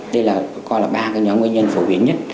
đây là coi là ba cái nhóm nguyên nhân phổ biến nhất